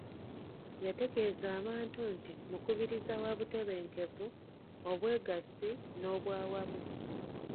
Yategeeza abantu nti mukubiriza wa butebenkevu, obwegassi n'obwawamu.